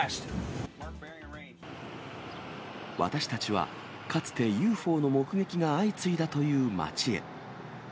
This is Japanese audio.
私たちはかつて、ＵＦＯの目撃が相次いだという町へ。